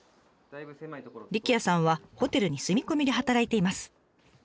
力也さんはホテルに住み込みで働いています。